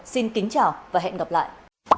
xin chào và hẹn gặp lại